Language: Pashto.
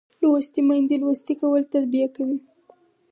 لوستې میندې لوستی کول تربیه کوي